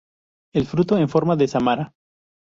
El fruto en forma de samara.